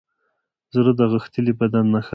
زړه د غښتلي بدن نښه ده.